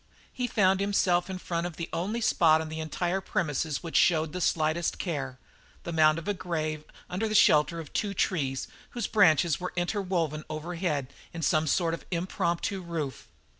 He found himself in front of the only spot on the entire premises which showed the slightest care, the mound of a grave under the shelter of two trees whose branches were interwoven overhead in a sort of impromptu roof.